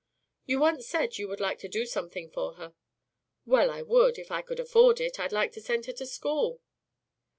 "You once said you would like to do something for her." "Well, I would. If I could afford it, I'd like to send her to school."